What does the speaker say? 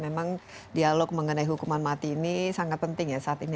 memang dialog mengenai hukuman mati ini sangat penting ya saat ini